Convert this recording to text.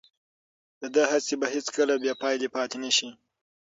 د ده هڅې به هیڅکله بې پایلې پاتې نه شي.